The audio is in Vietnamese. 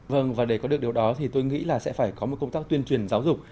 vâng và để có được điều đó thì tôi nghĩ là sẽ phải có một công tác tuyên truyền giáo dục